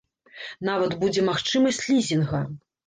Нават будзе магчымасць лізінга.